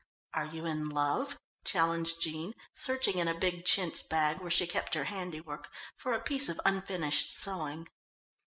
"Are you in love?" challenged Jean, searching in a big chintz bag where she kept her handiwork for a piece of unfinished sewing.